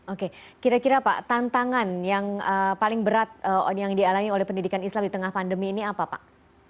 oke kira kira pak tantangan yang paling berat yang dialami oleh pendidikan islam di tengah pandemi ini apa pak